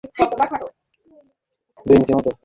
ওপরের ঘেরা বারান্দার দিকে চাহিয়া ভাবিল, ওদিকে মা নাই তো?